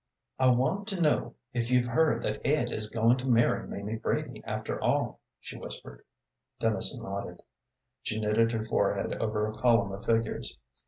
"I want to know if you've heard that Ed is going to marry Mamie Brady, after all," she whispered. Dennison nodded. She knitted her forehead over a column of figures.